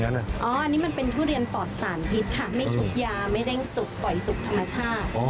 อันนี้มันเป็นทุเรียนปอดสารพิษค่ะไม่ชุบยาไม่เร่งสุกปล่อยสุกธรรมชาติ